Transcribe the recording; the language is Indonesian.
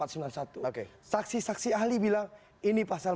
saksi saksi ahli bilang ini pasal empat ratus sembilan puluh satu